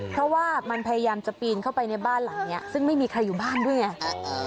เพราะว่ามันพยายามจะปีนเข้าไปในบ้านหลังนี้ซึ่งไม่มีใครอยู่บ้านด้วยไง